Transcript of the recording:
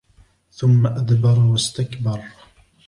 ثم أدبر واستكبر